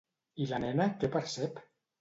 I la nena què percep?